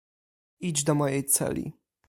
"Idź do mojej celi!"